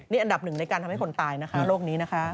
นี่อันดับหนึ่งในการทำให้คนตายนะคะโรคนี้นะคะ